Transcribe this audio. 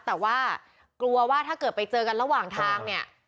แต่ว่ากลัวว่าถ้าเกิดไปเจอกันระหว่างทางเนี่ย